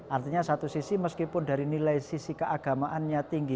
artinya satu sisi meskipun dari nilai sisi keagamaannya tinggi